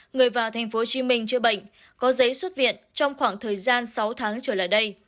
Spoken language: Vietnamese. người vào tp hcm chữa bệnh có giấy xuất viện trong khoảng thời gian sáu tháng trở lại đây